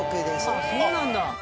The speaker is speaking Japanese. あっそうなんだ。